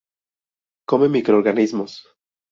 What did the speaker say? Come microorganismos.